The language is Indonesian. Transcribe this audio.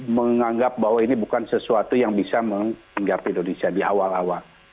menganggap bahwa ini bukan sesuatu yang bisa menganggap indonesia di awal awal